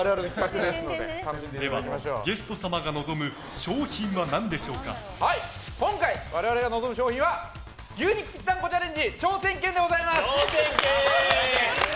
では、ゲスト様が望む今回、我々が望む賞品は牛肉ぴったんこチャレンジ挑戦権でございます。